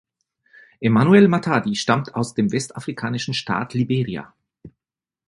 Emmanuel Matadi stammt aus dem westafrikanischen Staat Liberia.